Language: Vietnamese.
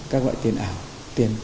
các loại tiền ảo tiền kiểm tra